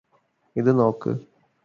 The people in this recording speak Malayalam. ഇത് നോക്ക്